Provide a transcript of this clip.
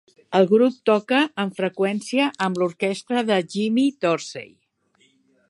El grup toca amb freqüència amb l'orquestra de Jimmy Dorsey.